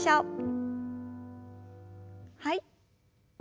はい。